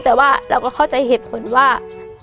แต่ว่าเราก็เข้าใจเหตุผลว่า